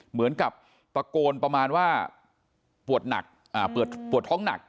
เหมือนกับตะโกนประมาณว่าปวดท้องหนัก